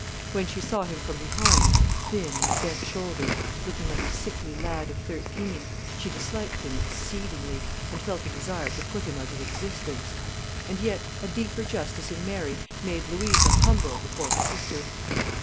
When she saw him from behind, thin and bent shouldered, looking like a sickly lad of thirteen, she disliked him exceedingly, and felt a desire to put him out of existence. And yet a deeper justice in Mary made Louisa humble before her sister.